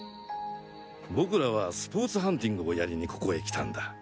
僕らはスポーツハンティングをやりにここへ来たんだ。